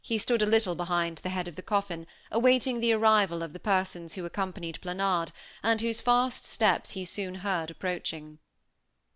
He stood a little behind the head of the coffin, awaiting the arrival of the persons who accompanied Planard, and whose fast steps he soon heard approaching.